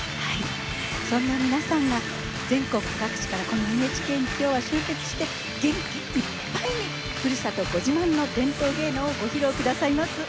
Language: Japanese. そんな皆さんが全国各地からこのＮＨＫに今日は集結して元気いっぱいにふるさとご自慢の伝統芸能をご披露下さいます。